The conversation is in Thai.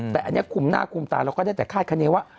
แต่อันนี้คุมหน้าคุมตาเราก็ได้แต่คาดคณีว่า